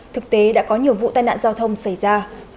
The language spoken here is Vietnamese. thực tế đã có nhiều vụ tai nạn giao thông xảy ra